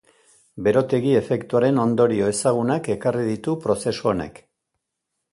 Berotegi-efektuaren ondorio ezagunak ekarri ditu prozesu honek.